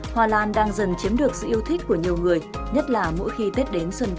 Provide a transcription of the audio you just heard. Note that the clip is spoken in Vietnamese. hoa lan đang dần chiếm được sự yêu thích của nhiều người nhất là mỗi khi tết đến xuân về